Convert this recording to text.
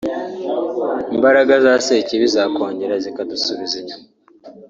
imbaraga za sekibi zakongera zikadusubiza inyuma